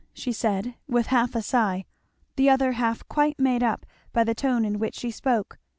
she said with half a sigh, the other half quite made up by the tone in which she spoke.